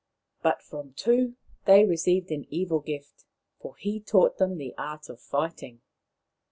But from Tu they received an evil gift, for he taught them the art of fighting.